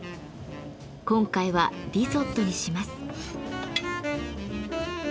今回はリゾットにします。